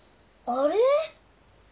あれ？